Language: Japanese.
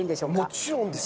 もちろんですよ。